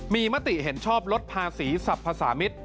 มีมติเห็นชอบลดภาษีสรรพสามิตร